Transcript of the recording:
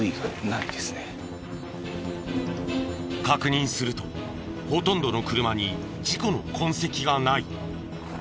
確認するとほとんどの車に事故の痕跡がない。